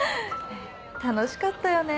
楽しかったよね